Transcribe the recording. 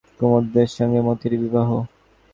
কুমুদের সঙ্গে মতির বিবাহ?